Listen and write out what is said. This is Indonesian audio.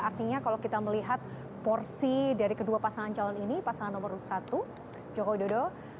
artinya kalau kita melihat porsi dari kedua pasangan calon ini pasangan nomor satu joko widodo